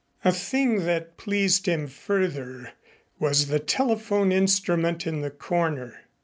A thing that pleased him further was the telephone instrument in the corner.